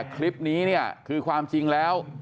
คลิปนี้เนี่ยคือความจริงแล้ว